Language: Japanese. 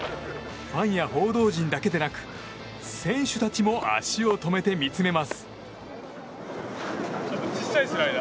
ファンや報道陣だけでなく選手たちも足を止めて見つめます。